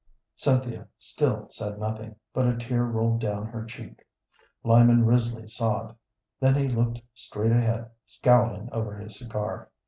Cynthia still said nothing, but a tear rolled down her cheek. Lyman Risley saw it, then he looked straight ahead, scowling over his cigar.